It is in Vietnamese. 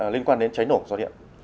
liên quan đến cháy nổ do điện